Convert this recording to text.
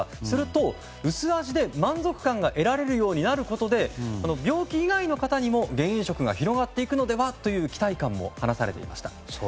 すると、薄味で満足感が得られるようになることで病気以外の方にも減塩食が広がっていくのではという期待感も話されていました。